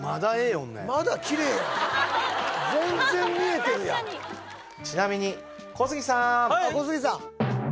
まだキレイや全然見えてるやんちなみに小杉さーん小杉さん